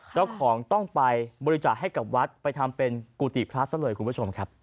เจ้าของต้องไปบริจาคให้กับวัดไปทำเป็นกุฏิพระซะเลยคุณผู้ชมครับ